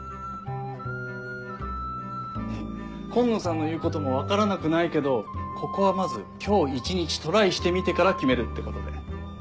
紺野さんの言うことも分からなくないけどここはまず今日一日トライしてみてから決めるってことで。